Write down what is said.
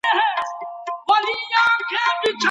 د امیندوارۍ پرمهال کوم خواړه مهم دي؟